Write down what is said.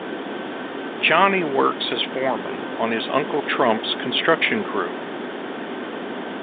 Johnnie works as foreman on his uncle Trump's construction crew.